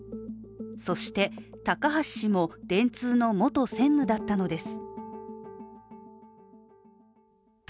そして高橋専務も電通の元専務だったのです。